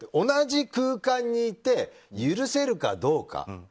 同じ空間にいて許せるかどうか。